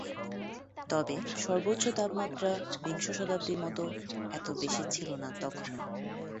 তবে সর্বোচ্চ তাপমাত্রা বিংশ শতাব্দীর মতো এত বেশি ছিল না তখনও।